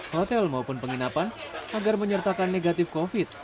hotel maupun penginapan agar menyertakan negatif covid sembilan belas